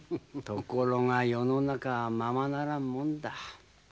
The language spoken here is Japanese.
ところが世の中はままならんもんだ。